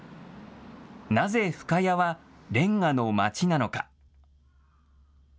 なぜ深谷はレンガのまちなのか。